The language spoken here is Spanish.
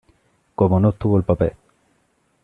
Como no obtuvo el papel.